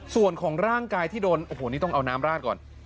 ส่วนของร่างกายที่โดนโอ้โหนี่ต้องเอาน้ำราดก่อน